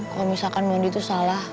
kalau misalkan mondi itu salah